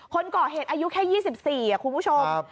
คนก่อเหตุอายุแค่๒๔คุณผู้ชม